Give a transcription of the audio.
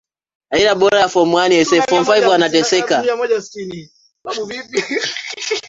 urahisi wa mataifa yenye utajiri wa kiuchumi duniani